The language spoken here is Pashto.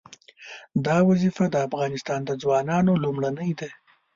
دا وظیفه د افغانستان د ځوانانو لومړنۍ ده.